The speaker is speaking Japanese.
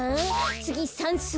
つぎさんすう！